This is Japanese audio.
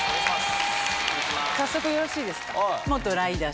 早速よろしいですか？